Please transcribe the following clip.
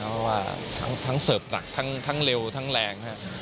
เพราะว่าทั้งเสิร์ฟหนักทั้งเร็วทั้งแรง